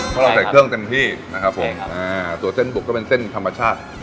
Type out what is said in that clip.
เพราะเราใส่เครื่องเต็มที่นะครับผมอ่าตัวเส้นบุกก็เป็นเส้นธรรมชาติ